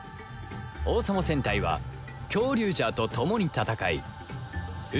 王様戦隊はキョウリュウジャーと共に戦い宇